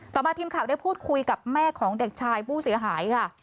ต่อมาทีมข่าวได้พูดคุยกับแม่ของเด็กชายผู้เสียหายค่ะ